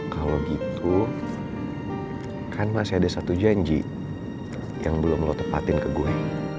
kalau gitu kan masih ada satu janji yang belum lo tepatin ke gue